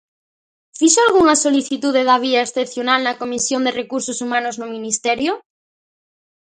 ¿Fixo algunha solicitude da vía excepcional na Comisión de recursos humanos no Ministerio?